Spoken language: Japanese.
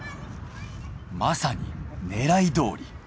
まさに狙いどおり。